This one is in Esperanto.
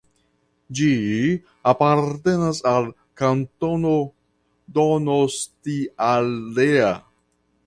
Ĝi apartenas al Kantono Donostialdea.